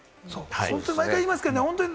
毎回言いますけれども。